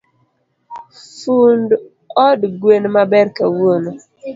Fund od gwen maber kawuono.